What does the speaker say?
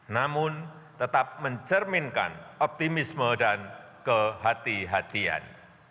namun tetap mencerminkan optimisme dan kehatian